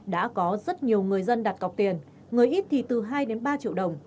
đã có rất nhiều người dân đặt cọc tiền người ít thì từ hai đến ba triệu đồng